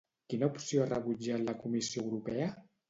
Quina opció ha rebutjat la Comissió Europea?